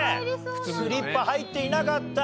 スリッパ入っていなかった。